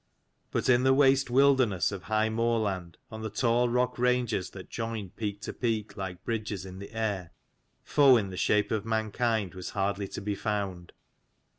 But in the waste wildernesses of high moorland, on the tall rock ranges that joined peak to peak like bridges in the air, foe in shape of mankind was hardly to be found.